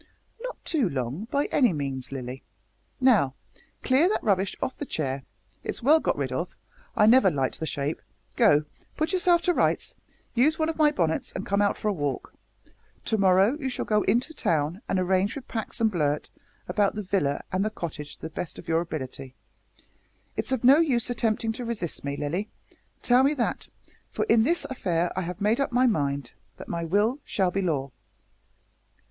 "Not too long, by any means, Lilly. Now, clear that rubbish off the chair it's well got rid of, I never liked the shape go, put yourself to rights, use one of my bonnets, and come out for a walk. To morrow you shall go into town and arrange with Pax and Blurt about the villa and the cottage to the best of your ability. It's of no use attempting to resist me, Lilly tell them that for in this affair I have made up my mind that my will shall be law."